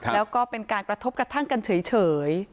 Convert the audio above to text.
แล้วก็เป็นการกระทบกระทั่งกันเฉย